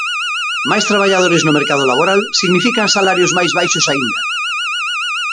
Máis traballadores no mercado laboral significan salarios máis baixos aínda.